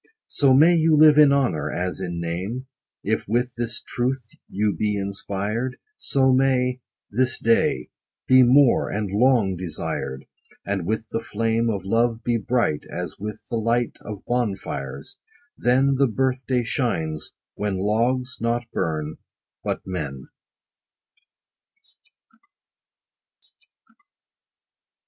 So may you live in honor, as in name, If with this truth you be inspired ; So may This day Be more, and long desired ; And with the flame Of love be bright, As with the light Of bonfires ! then 50 The birth day shines, when logs not burn, but men.